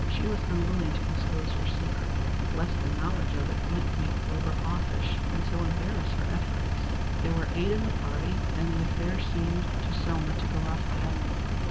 She was unwilling to disclose her secret, lest the knowledge of it might make Wilbur offish and so embarrass her efforts. There were eight in the party, and the affair seemed to Selma to go off admirably.